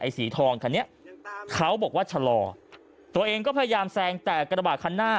สีทองคันนี้เขาบอกว่าชะลอตัวเองก็พยายามแซงแต่กระบาดคันหน้า